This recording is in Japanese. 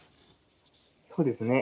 そうですね。